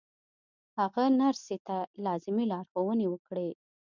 هغه نرسې ته لازمې لارښوونې وکړې